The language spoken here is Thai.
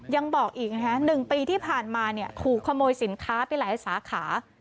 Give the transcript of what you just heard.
ยังบอกอีกนะครับ๑ปีที่ผ่านมาขู่ขโมยสินค้าไปหลายสาขา